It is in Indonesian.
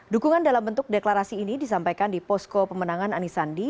dukungan dalam bentuk deklarasi ini disampaikan di posko pemenangan anies sandi